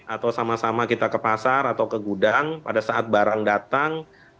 atau sama sama kita ke pasar atau ke gudang pada saat barang datang